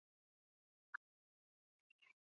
皮赛地区圣阿芒。